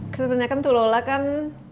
sebenarnya kan tuh lola kan